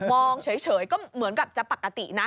เฉยก็เหมือนกับจะปกตินะ